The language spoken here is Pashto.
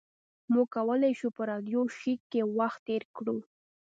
موږ کولی شو په راډیو شیک کې وخت تیر کړو